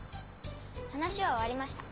話は終わりました。